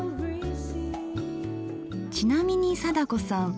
ちなみに貞子さん